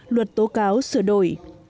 luật tố cáo sửa đổi